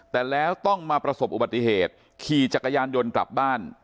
แต่แล้วต้องมาประสบอุบัติเหตุขี่จักรยานยนต์กลับบ้าน